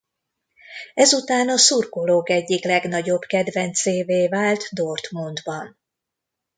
Ezután a szurkolók egyik legnagyobb kedvencévé vált Dortmundban.